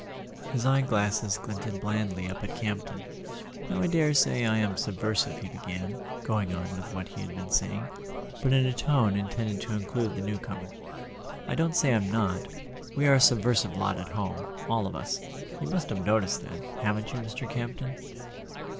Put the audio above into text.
His eye glasses glinted blandly up at Campton. "Now I daresay I am subversive," he began, going on with what he had been saying, but in a tone in¬ tended to include the newcomer. "I don't say I'm not. We are a subversive lot at home, all of us—you must have noticed that, haven't you, Mr. Campton?"